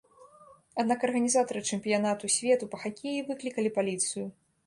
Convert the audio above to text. Аднак арганізатары чэмпіянату свету па хакеі выклікалі паліцыю.